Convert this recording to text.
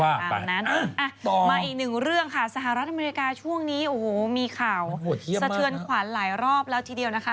ตามนั้นต่อมาอีกหนึ่งเรื่องค่ะสหรัฐอเมริกาช่วงนี้โอ้โหมีข่าวสะเทือนขวัญหลายรอบแล้วทีเดียวนะคะ